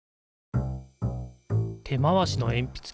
手回しのえんぴつ